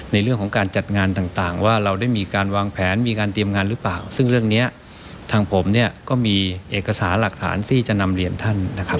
ในเรื่องของการจัดงานต่างว่าเราได้มีการวางแผนมีการเตรียมงานหรือเปล่าซึ่งเรื่องนี้ทางผมเนี่ยก็มีเอกสารหลักฐานที่จะนำเรียนท่านนะครับ